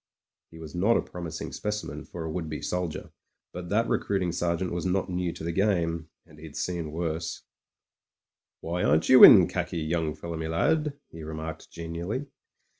He was not a promising specimen for a would be soldier, but that recruiting sergeant was not new to the game, and he'd seen worse. "Why aren't you in khaki, young fellow me lad? he remarked genially.